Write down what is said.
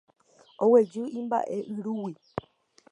Oguejy imba'yrúgui